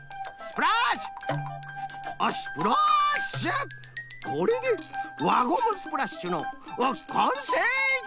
これで輪ゴムスプラッシュのあっかんせい！